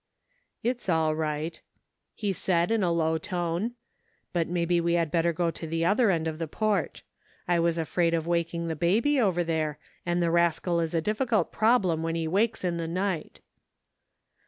" It's all right," he said in a low tone, " but maybe we had better go to the other end of the porch. I was afraid of waking the baby over there, and the rascal is a difficult problem when he wakes in the night."